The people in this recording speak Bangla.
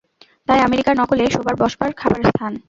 তায় আমেরিকার নকলে শোবার বসবার খাবার স্থান।